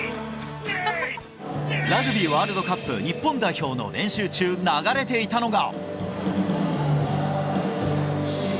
ラグビーワールドカップ日本代表の練習中、流れていたのが。